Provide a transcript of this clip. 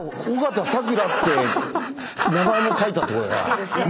そうですね。